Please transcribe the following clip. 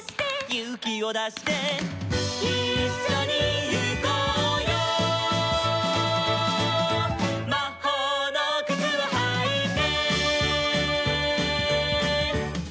「ゆうきをだして」「いっしょにゆこうよ」「まほうのくつをはいて」